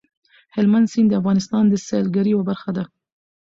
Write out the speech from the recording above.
هلمند سیند د افغانستان د سیلګرۍ یوه برخه ده.